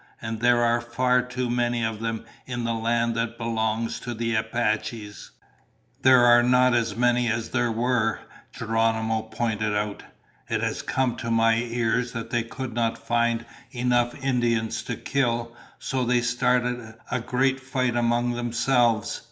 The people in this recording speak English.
"And there are far too many of them in land that belongs to Apaches." "There are not as many as there were," Geronimo pointed out. "It has come to my ears that they could not find enough Indians to kill, so they started a great fight among themselves.